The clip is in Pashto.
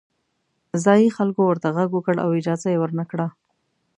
ځايي خلکو ورته غږ وکړ او اجازه یې ورنه کړه.